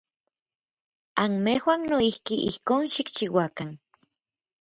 Anmejuan noijki ijkon xikchiuakan.